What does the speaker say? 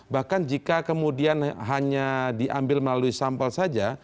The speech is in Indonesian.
bahkan jika kemudian hanya diambil melalui sampel saja